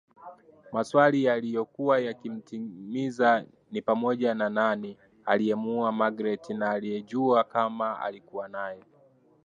Maswali yalokua yakimtatiza ni pamoja na nani aliyemuua Magreth na alijuaje kama alikuwa naye